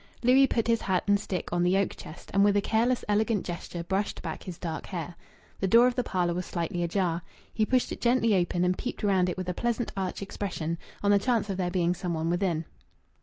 Louis put his hat and stick on the oak chest, and with a careless, elegant gesture brushed back his dark hair. The door of the parlour was slightly ajar. He pushed it gently open, and peeped round it with a pleasant arch expression, on the chance of there being some one within.